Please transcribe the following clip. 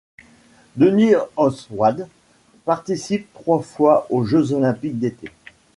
Denis Oswald participe trois fois aux Jeux olympiques d'été.